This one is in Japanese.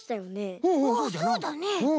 そうだね。